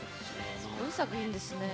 すごい作品ですね。